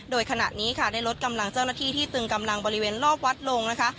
โดยขณะนี้ค่ะได้ลดกำลังเจ้าหน้าที่ที่ตึงกำลังบริเวณรอบวัดลงนะคะ